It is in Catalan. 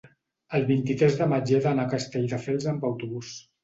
el vint-i-tres de maig he d'anar a Castelldefels amb autobús.